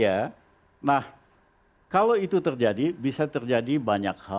ya nah kalau itu terjadi bisa terjadi banyak hal